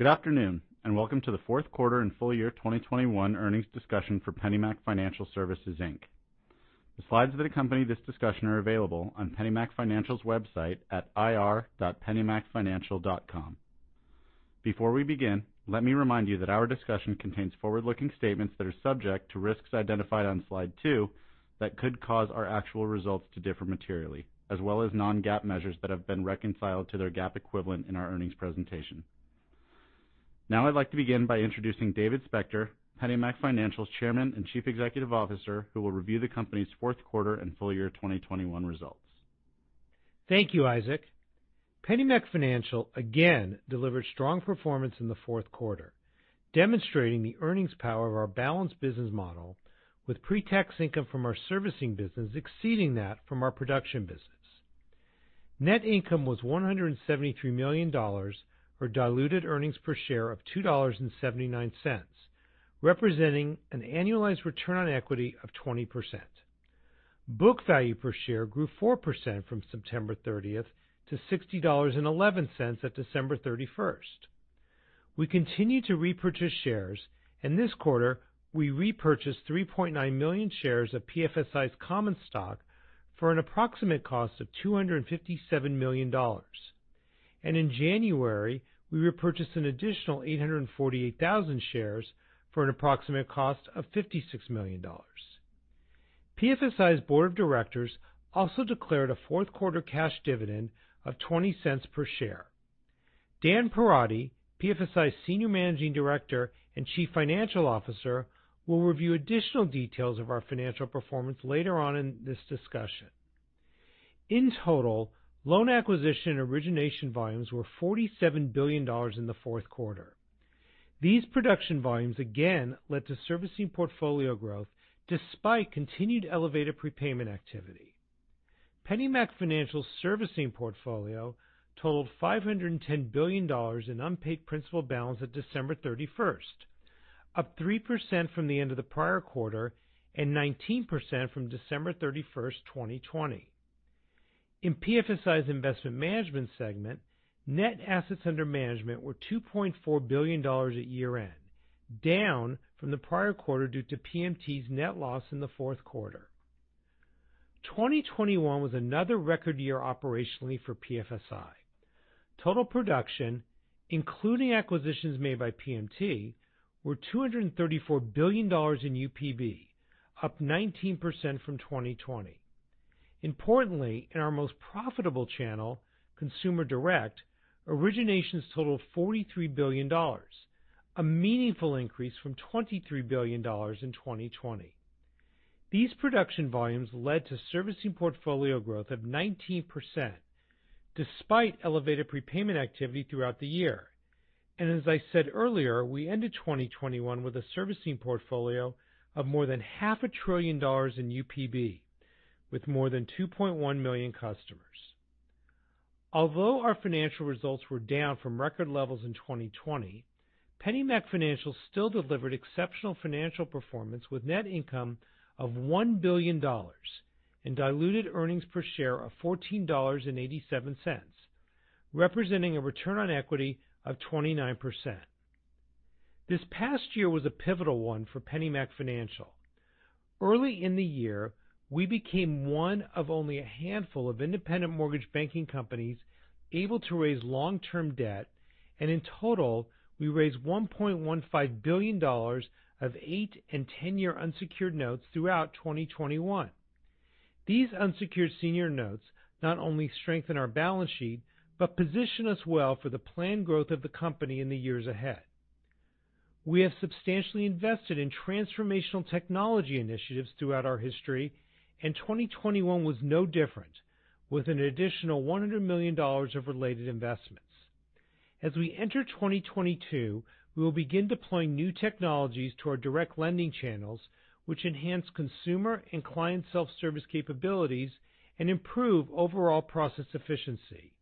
Good afternoon, and welcome to the Q4 and full year 2021 earnings discussion for PennyMac Financial Services, Inc. The slides that accompany this discussion are available on PennyMac Financial's website at ir.pennymacfinancial.com. Before we begin, let me remind you that our discussion contains forward-looking statements that are subject to risks identified on slide 2 that could cause our actual results to differ materially, as well as non-GAAP measures that have been reconciled to their GAAP equivalent in our earnings presentation. Now I'd like to begin by introducing David Spector, PennyMac Financial's Chairman and Chief Executive Officer, who will review the company's Q4 and full year 2021 results. Thank you, Isaac. PennyMac Financial again delivered strong performance in the Q4, demonstrating the earnings power of our balanced business model with pre-tax income from our servicing business exceeding that from our production business. Net income was $173 million or diluted earnings per share of $2.79, representing an annualized return on equity of 20%. Book value per share grew 4% from September 30th to $60.11 at December 31st. We continue to repurchase shares, and this quarter we repurchased 3.9 million shares of PFSI's common stock for an approximate cost of $257 million. In January, we repurchased an additional 848,000 shares for an approximate cost of $56 million. PFSI's board of directors also declared a Q4 cash dividend of $0.20 per share. Dan Perotti, PFSI's Senior Managing Director and Chief Financial Officer, will review additional details of our financial performance later on in this discussion. In total, loan acquisition and origination volumes were $47 billion in the Q4. These production volumes again led to servicing portfolio growth despite continued elevated prepayment activity. PennyMac Financial Services' servicing portfolio totaled $510 billion in unpaid principal balance at December 31st, up 3% from the end of the prior quarter and 19% from December 31st, 2020. In PFSI's investment management segment, net assets under management were $2.4 billion at year-end, down from the prior quarter due to PMT's net loss in the Q4. 2021 was another record year operationally for PFSI. Total production, including acquisitions made by PMT, were $234 billion in UPB, up 19% from 2020. Importantly, in our most profitable channel, consumer direct, originations totaled $43 billion, a meaningful increase from $23 billion in 2020. These production volumes led to servicing portfolio growth of 19% despite elevated prepayment activity throughout the year. As I said earlier, we ended 2021 with a servicing portfolio of more than half a trillion dollars in UPB with more than 2.1 million customers. Although our financial results were down from record levels in 2020, PennyMac Financial still delivered exceptional financial performance with net income of $1 billion and diluted earnings per share of $14.87, representing a return on equity of 29%. This past year was a pivotal one for PennyMac Financial. Early in the year, we became one of only a handful of independent mortgage banking companies able to raise long-term debt, and in total, we raised $1.15 billion of 8 and 10year unsecured notes throughout 2021. These unsecured senior notes not only strengthen our balance sheet but position us well for the planned growth of the company in the years ahead. We have substantially invested in transformational technology initiatives throughout our history, and 2021 was no different with an additional $100 million of related investments. As we enter 2022, we will begin deploying new technologies to our direct lending channels, which enhance consumer and client self-service capabilities and improve overall process efficiency.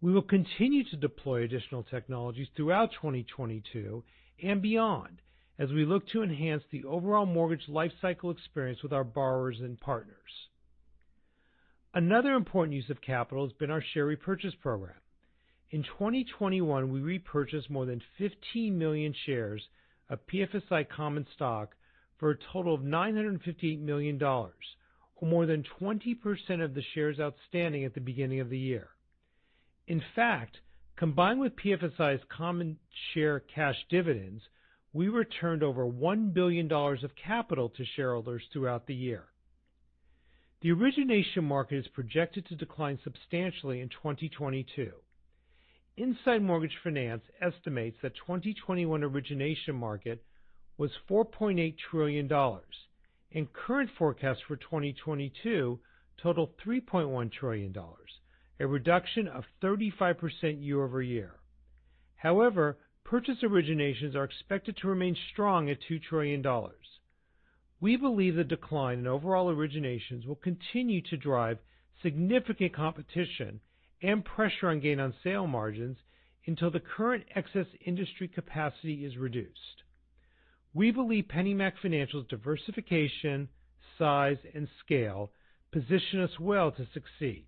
We will continue to deploy additional technologies throughout 2022 and beyond as we look to enhance the overall mortgage lifecycle experience with our borrowers and partners. Another important use of capital has been our share repurchase program. In 2021, we repurchased more than 15 million shares of PFSI common stock for a total of $958 million or more than 20% of the shares outstanding at the beginning of the year. In fact, combined with PFSI's common share cash dividends, we returned over $1 billion of capital to shareholders throughout the year. The origination market is projected to decline substantially in 2022. Inside Mortgage Finance estimates the 2021 origination market was $4.8 trillion, and current forecasts for 2022 total $3.1 trillion, a reduction of 35% year-over-year. However, purchase originations are expected to remain strong at $2 trillion. We believe the decline in overall originations will continue to drive significant competition and pressure on gain on sale margins until the current excess industry capacity is reduced. We believe PennyMac Financials' diversification, size, and scale position us well to succeed.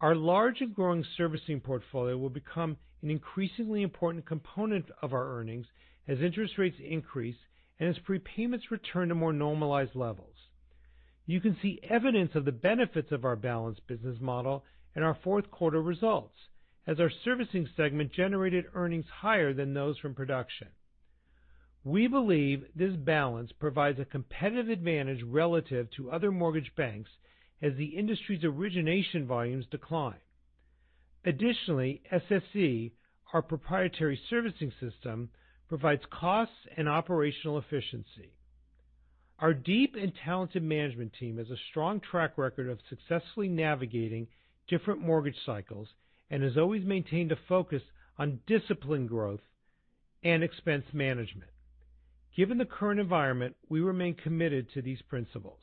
Our large and growing servicing portfolio will become an increasingly important component of our earnings as interest rates increase and as prepayments return to more normalized levels. You can see evidence of the benefits of our balanced business model in our Q4 results as our servicing segment generated earnings higher than those from production. We believe this balance provides a competitive advantage relative to other mortgage banks as the industry's origination volumes decline. Additionally, SSC, our proprietary servicing system, provides costs and operational efficiency. Our deep and talented management team has a strong track record of successfully navigating different mortgage cycles and has always maintained a focus on disciplined growth and expense management. Given the current environment, we remain committed to these principles.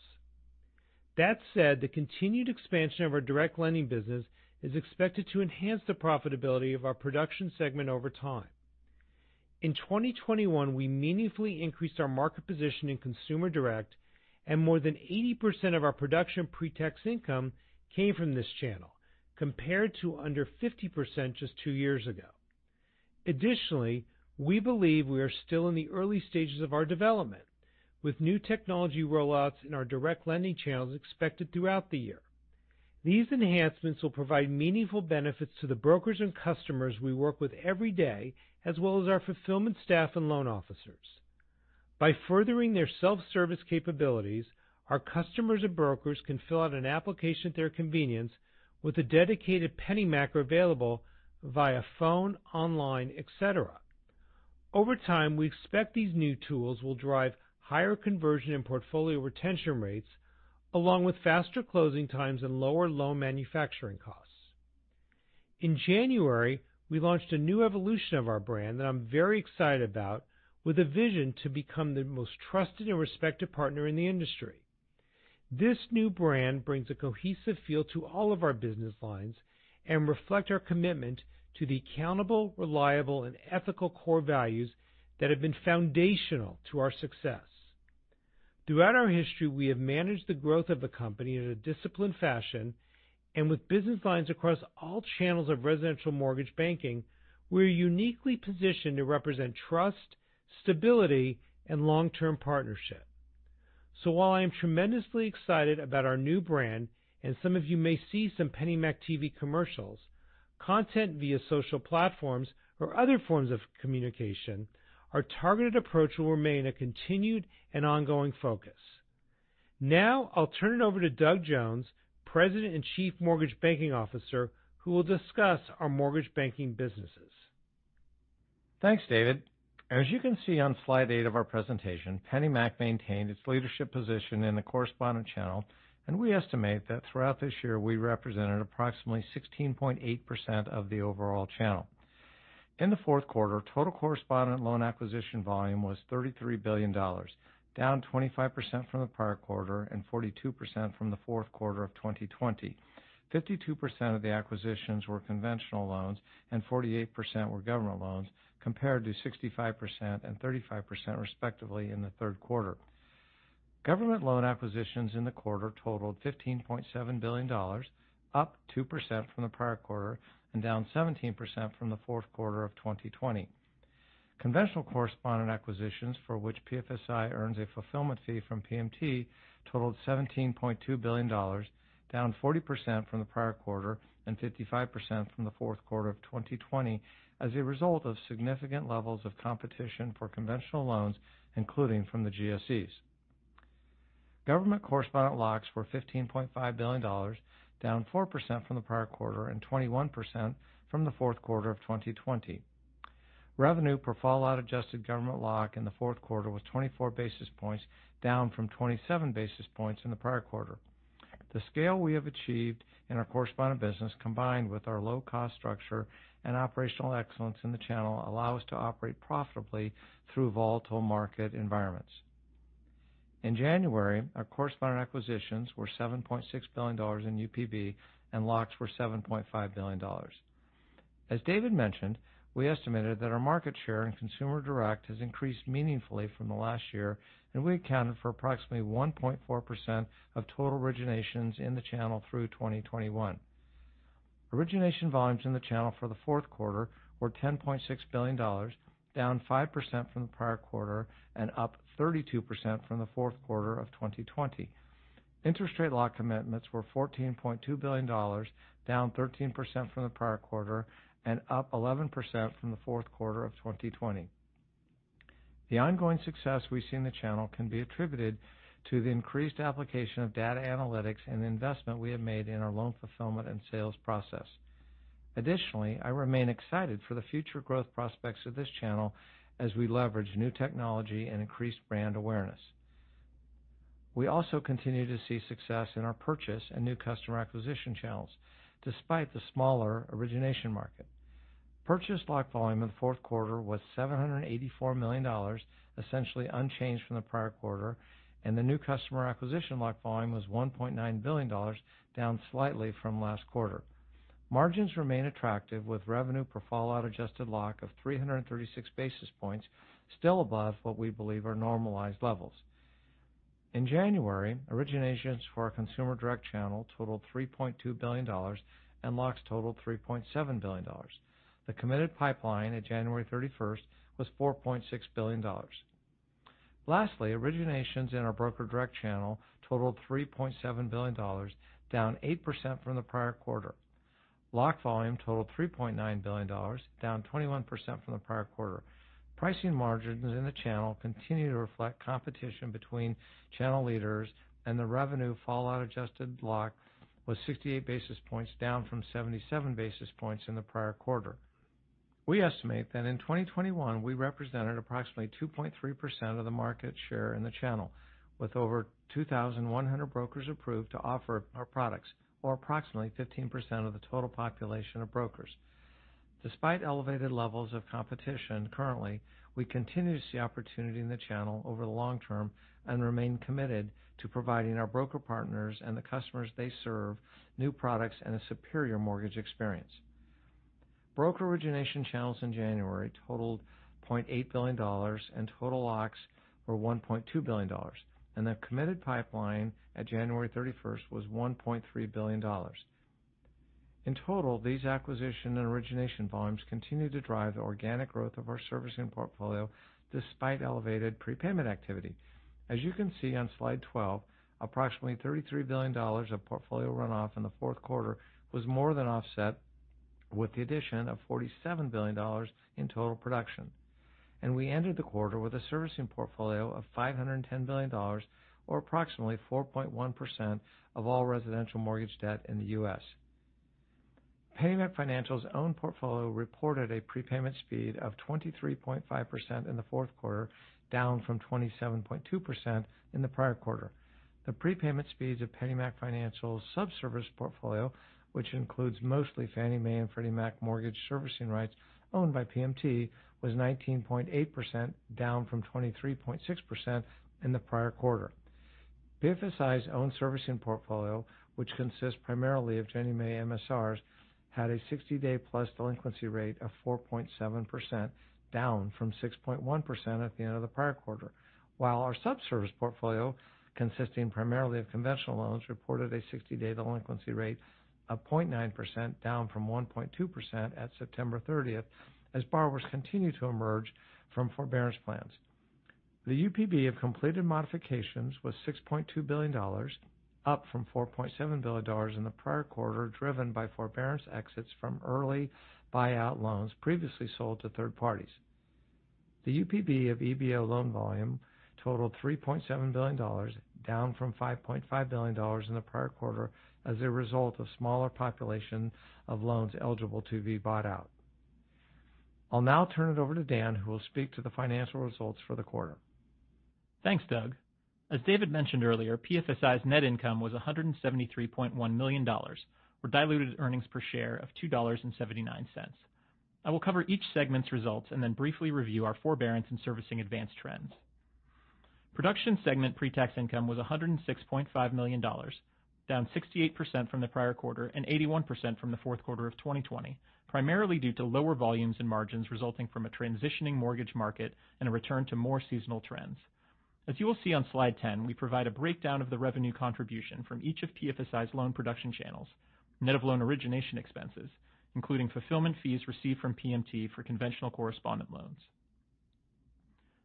That said, the continued expansion of our direct lending business is expected to enhance the profitability of our production segment over time. In 2021, we meaningfully increased our market position in consumer direct, and more than 80% of our production pre-tax income came from this channel, compared to under 50% just two years ago. Additionally, we believe we are still in the early stages of our development, with new technology rollouts in our direct lending channels expected throughout the year. These enhancements will provide meaningful benefits to the brokers and customers we work with every day, as well as our fulfillment staff and loan officers. By furthering their self-service capabilities, our customers and brokers can fill out an application at their convenience with a dedicated PennyMac available via phone, online, et cetera. Over time, we expect these new tools will drive higher conversion and portfolio retention rates along with faster closing times and lower loan manufacturing costs. In January, we launched a new evolution of our brand that I'm very excited about with a vision to become the most trusted and respected partner in the industry. This new brand brings a cohesive feel to all of our business lines and reflect our commitment to the accountable, reliable, and ethical core values that have been foundational to our success. Throughout our history, we have managed the growth of the company in a disciplined fashion. With business lines across all channels of residential mortgage banking, we're uniquely positioned to represent trust, stability, and long-term partnership. So, while I am tremendously excited about our new brand, and some of you may see some PennyMac TV commercials, content via social platforms or other forms of communication, our targeted approach will remain a continued and ongoing focus. Now I'll turn it over to Doug Jones, President and Chief Mortgage Banking Officer, who will discuss our mortgage banking businesses. Thanks, David. As you can see on slide 8 of our presentation, PennyMac maintained its leadership position in the correspondent channel, and we estimate that throughout this year, we represented approximately 16.8% of the overall channel. In the Q4, total correspondent loan acquisition volume was $33 billion, down 25% from the prior quarter and 42% from the Q4 of 2020. 52% of the acquisitions were conventional loans and 48% were government loans, compared to 65% and 35%, respectively, in the Q3. Government loan acquisitions in the quarter totaled $15.7 billion, up 2% from the prior quarter and down 17% from the Q4 of 2020. Conventional correspondent acquisitions for which PFSI earns a fulfillment fee from PMT totaled $17.2 billion, down 40% from the prior quarter and 55% from the Q4 of 2020 as a result of significant levels of competition for conventional loans, including from the GSEs. Government correspondent locks were $15.5 billion, down 4% from the prior quarter and 21% from the Q4 of 2020. Revenue per fallout-adjusted government lock in the Q4 was 24 basis points, down from 27 basis points in the prior quarter. The scale we have achieved in our correspondent business, combined with our low cost structure and operational excellence in the channel, allow us to operate profitably through volatile market environments. In January, our correspondent acquisitions were $7.6 billion in UPB and locks were $7.5 billion. As David mentioned, we estimated that our market share in consumer direct has increased meaningfully from the last year, and we accounted for approximately 1.4% of total originations in the channel through 2021. Origination volumes in the channel for the Q4 were $10.6 billion, down 5% from the prior quarter and up 32% from the Q4 of 2020. Interest rate lock commitments were $14.2 billion, down 13% from the prior quarter and up 11% from the Q4 of 2020. The ongoing success we see in the channel can be attributed to the increased application of data analytics and investment we have made in our loan fulfillment and sales process. Additionally, I remain excited for the future growth prospects of this channel as we leverage new technology and increase brand awareness. We also continue to see success in our purchase and new customer acquisition channels despite the smaller origination market. Purchase lock volume in the Q4 was $784 million, essentially unchanged from the prior quarter, and the new customer acquisition lock volume was $1.9 billion, down slightly from last quarter. Margins remain attractive with revenue per fallout-adjusted lock of 336 basis points still above what we believe are normalized levels. In January, originations for our consumer direct channel totaled $3.2 billion and locks totaled $3.7 billion. The committed pipeline at January 31st was $4.6 billion. Lastly, originations in our broker direct channel totaled $3.7 billion, down 8% from the prior quarter. Lock volume totaled $3.9 billion, down 21% from the prior quarter. Pricing margins in the channel continue to reflect competition between channel leaders and the revenue fallout-adjusted lock was 68 basis points, down from 77 basis points in the prior quarter. We estimate that in 2021 we represented approximately 2.3% of the market share in the channel with over 2,100 brokers approved to offer our products, or approximately 15% of the total population of brokers. Despite elevated levels of competition currently, we continue to see opportunity in the channel over the long term and remain committed to providing our broker partners and the customers they serve new products and a superior mortgage experience. Broker origination channels in January totaled $0.8 billion and total locks were $1.2 billion and the committed pipeline at January 31st was $1.3 billion. In total, these acquisition and origination volumes continue to drive the organic growth of our servicing portfolio despite elevated prepayment activity. As you can see on slide 12, approximately $33 billion of portfolio runoff in the Q4 was more than offset with the addition of $47 billion in total production. We ended the quarter with a servicing portfolio of $510 billion, or approximately 4.1% of all residential mortgage debt in the U.S. PennyMac Financial's own portfolio reported a prepayment speed of 23.5% in the Q4, down from 27.2% in the prior quarter. The prepayment speeds of PennyMac Financial's sub-servicing portfolio, which includes mostly Fannie Mae and Freddie Mac mortgage servicing rights owned by PMT, was 19.8%, down from 23.6% in the prior quarter. PFSI's own servicing portfolio, which consists primarily of Ginnie Mae MSRs, had a 60-day-plus delinquency rate of 4.7%, down from 6.1% at the end of the prior quarter. While our subserviced portfolio, consisting primarily of conventional loans, reported a 60 days delinquency rate of 0.9%, down from 1.2% at September 30th as borrowers continue to emerge from forbearance plans. The UPB of completed modifications was $6.2 billion, up from $4.7 billion in the prior quarter, driven by forbearance exits from early buyout loans previously sold to third parties. The UPB of EBO loan volume totaled $3.7 billion, down from $5.5 billion in the prior quarter as a result of smaller population of loans eligible to be bought out. I'll now turn it over to Dan, who will speak to the financial results for the quarter. Thanks, Doug. As David mentioned earlier, PFSI's net income was $173.1 million, or diluted earnings per share of $2.79. I will cover each segment's results and then briefly review our forbearance and servicing advanced trends. Production segment pre-tax income was $106.5 million, down 68% from the prior quarter and 81% from the Q4 of 2020, primarily due to lower volumes and margins resulting from a transitioning mortgage market and a return to more seasonal trends. As you will see on slide 10, we provide a breakdown of the revenue contribution from each of PFSI's loan production channels, net of loan origination expenses, including fulfillment fees received from PMT for conventional correspondent loans.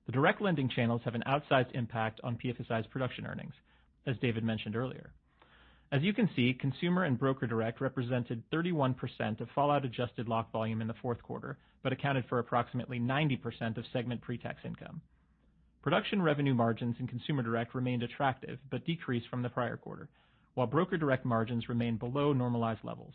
The direct lending channels have an outsized impact on PFSI's production earnings, as David mentioned earlier. As you can see, consumer direct and broker direct represented 31% of fallout-adjusted lock volume in the Q4, but accounted for approximately 90% of segment pre-tax income. Production revenue margins in consumer direct remained attractive but decreased from the prior quarter, while broker direct margins remained below normalized levels.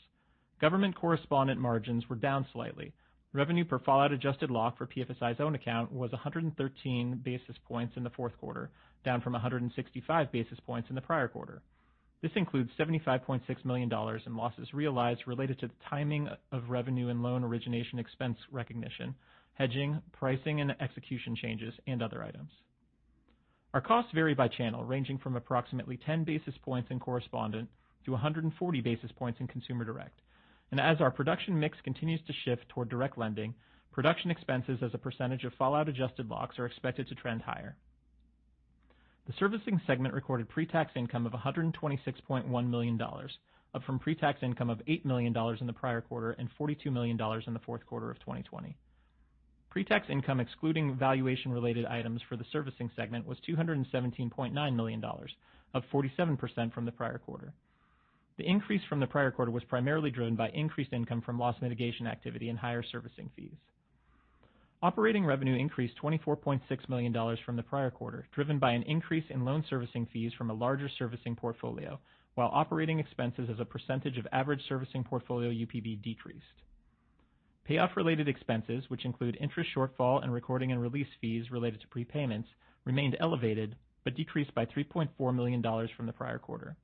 Government correspondent margins were down slightly. Revenue per fallout-adjusted lock for PFSI's own account was 113 basis points in the Q4, down from 165 basis points in the prior quarter. This includes $75.6 million in losses realized related to the timing of revenue and loan origination expense recognition, hedging, pricing and execution changes, and other items. Our costs vary by channel, ranging from approximately 10 basis points in correspondent to 140 basis points in consumer direct. As our production mix continues to shift toward direct lending, production expenses as a percentage of fallout-adjusted locks are expected to trend higher. The servicing segment recorded pre-tax income of $126.1 million, up from pre-tax income of $8 million in the prior quarter and $42 million in the Q4 of 2020. Pre-tax income excluding valuation-related items for the servicing segment was $217.9 million, up 47% from the prior quarter. The increase from the prior quarter was primarily driven by increased income from loss mitigation activity and higher servicing fees. Operating revenue increased $24.6 million from the prior quarter, driven by an increase in loan servicing fees from a larger servicing portfolio, while operating expenses as a percentage of average servicing portfolio UPB decreased. Payoff-related expenses, which include interest shortfall and recording and release fees related to prepayments, remained elevated, but decreased by $3.4 million from the prior quarter.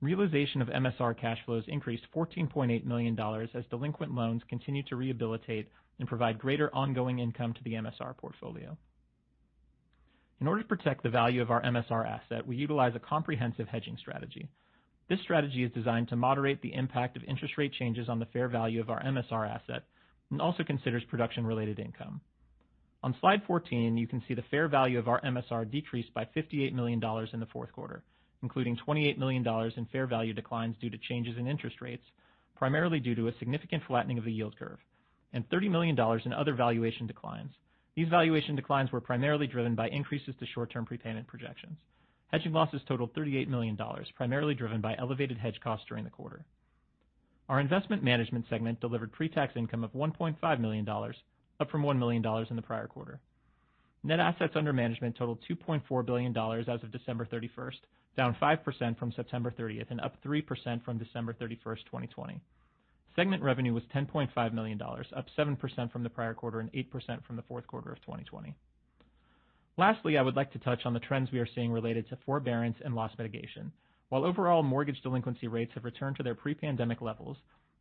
Realization of MSR cash flows increased $14.8 million as delinquent loans continued to rehabilitate and provide greater ongoing income to the MSR portfolio. In order to protect the value of our MSR asset, we utilize a comprehensive hedging strategy. This strategy is designed to moderate the impact of interest rate changes on the fair value of our MSR asset and also considers production-related income. On slide 14, you can see the fair value of our MSR decreased by $58 million in the Q4, including $28 million in fair value declines due to changes in interest rates, primarily due to a significant flattening of the yield curve and $30 million in other valuation declines. These valuation declines were primarily driven by increases to short-term prepayment projections. Hedging losses totaled $38 million, primarily driven by elevated hedge costs during the quarter. Our investment management segment delivered pre-tax income of $1.5 million, up from $1 million in the prior quarter. Net assets under management totaled $2.4 billion as of December 31, down 5% from September 30 and up 3% from December 31st, 2020. Segment revenue was $10.5 million, up 7% from the prior quarter and 8% from the Q4 of 2020. Lastly, I would like to touch on the trends we are seeing related to forbearance and loss mitigation. While overall mortgage delinquency rates have returned to their pre-pandemic levels,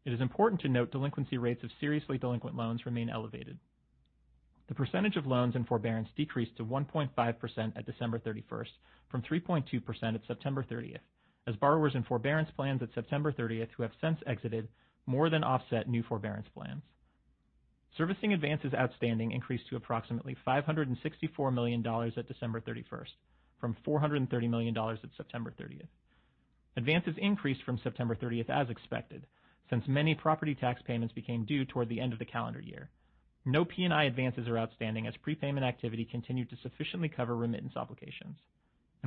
it is important to note delinquency rates of seriously delinquent loans remain elevated. The percentage of loans in forbearance decreased to 1.5% at December 31st from 3.2% at September 30th. Borrowers in forbearance plans at September 30th who have since exited more than offset new forbearance plans. Servicing advances outstanding increased to approximately $564 million at December 31 from $430 million at September 30th. Advances increased from September 30th as expected, since many property tax payments became due toward the end of the calendar year. No P&I advances are outstanding as prepayment activity continued to sufficiently cover remittance obligations.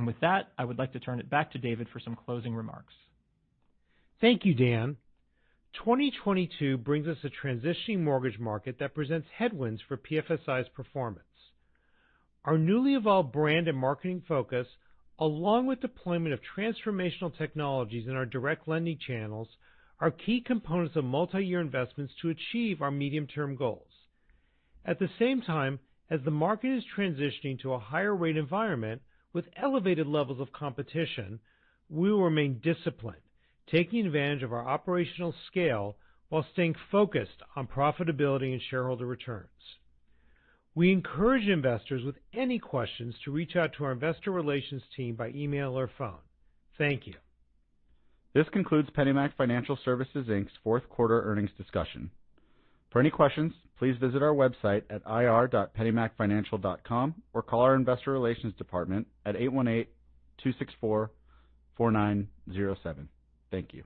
With that, I would like to turn it back to David for some closing remarks. Thank you, Dan. 2022 brings us a transitioning mortgage market that presents headwinds for PFSI's performance. Our newly evolved brand and marketing focus, along with deployment of transformational technologies in our direct lending channels, are key components of multi-year investments to achieve our medium-term goals At the same time, as the market is transitioning to a higher rate environment with elevated levels of competition, we will remain disciplined, taking advantage of our operational scale while staying focused on profitability and shareholder returns. We encourage investors with any questions to reach out to our investor relations team by email or phone. Thank you. This concludes PennyMac Financial Services, Inc.'s Q4 earnings discussion. For any questions, please visit our website at ir.pennymacfinancial.com or call our investor relations department at 818-264-4907. Thank you.